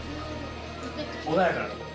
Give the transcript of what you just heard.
穏やかなところ。